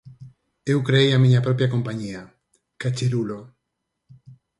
Eu creei a miña propia compañía, Cachirulo.